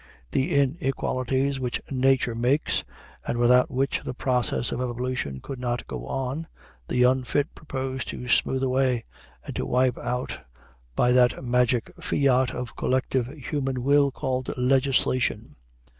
The inequalities which nature makes, and without which the process of evolution could not go on, the unfit propose to smooth away and to wipe out by that magic fiat of collective human will called legislation.